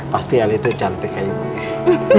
pasti ali itu cantik kayaknya